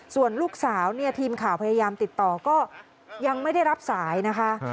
ส่วนลูกสาวเนี่ยทีมข่าวพยายามติดต่อก็ยังไม่ได้รับสายนะคะ